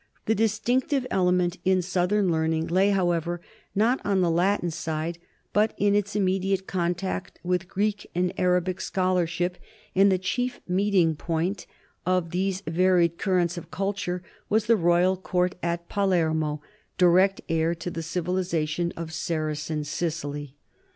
The distinc tive element in southern learning lay, however, not on the Latin side, but in its immediate contact with Greek and Arabic scholarship, and the chief meeting point of these various currents of culture was the royal court at Palermo, direct heir to the civilization of Saracen Sicily.